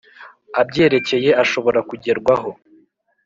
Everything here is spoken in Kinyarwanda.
abyerekeye ashobora kugerwaho.